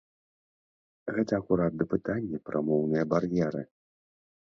Гэта акурат да пытання пра моўныя бар'еры.